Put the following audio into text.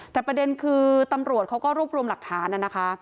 แต่ประเด็นคือตำรวจเขาก็รวบรวมหลักฐานนะคะ